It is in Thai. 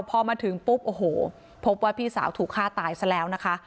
พอมาถึงปุ๊บโอ้โหพบว่าพี่สาวถูกฆ่าตายซะแล้วนะคะ